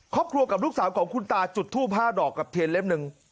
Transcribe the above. ครอบครัวกับลูกสาวของคุณตาจุดทูป๕ดอกกับเทียนเล่มหนึ่ง